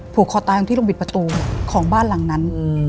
ผูกคอตายตรงที่โรงบิดประตูของบ้านหลังนั้น